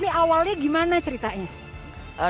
ini awalnya gimana ceritanya